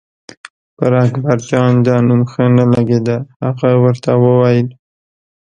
پر اکبرجان دا نوم ښه نه لګېده، هغه ورته وویل.